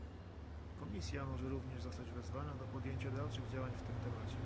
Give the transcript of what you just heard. Komisja może również zostać wezwana do podjęcia dalszych działań w tym temacie